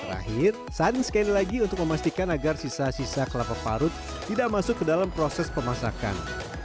terakhir saring sekali lagi untuk memastikan agar sisa sisa kelapa parut tidak masuk ke dalam proses pemasakan